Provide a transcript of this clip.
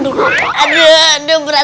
aduh berat amat